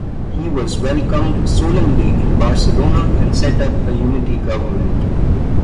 He was welcomed solemnly in Barcelona and set up a unity government.